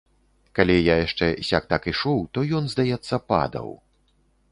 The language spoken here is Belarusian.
Калі я яшчэ сяк-так ішоў, то ён, здаецца, падаў.